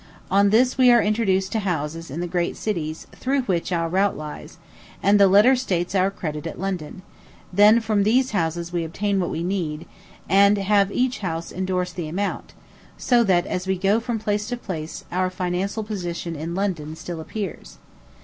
On this we are introduced to houses in the great cities through which our route lies, and the letter states our credit at London; then from these houses we obtain what we need, and have each house indorse the amount; so that, as we go from place to place, our financial position in London still appears.